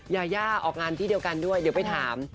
ยาย่าออกงานที่เดียวกันด้วยเดี๋ยวไปถาม